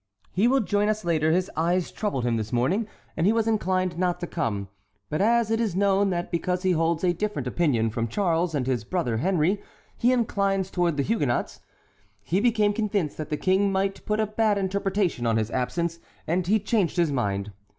"He will join us later; his eyes troubled him this morning and he was inclined not to come, but as it is known that because he holds a different opinion from Charles and his brother Henry he inclines toward the Huguenots, he became convinced that the King might put a bad interpretation on his absence and he changed his mind.